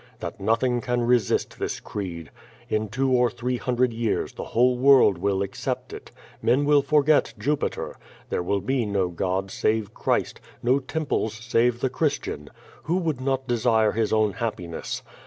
That nothing can resist this creed. In two or three hundred years the whole world will accept it. Men will forget Jupiter. There will be no Clod save Christ, no temples save the Christian. Who would not desire his own happiness?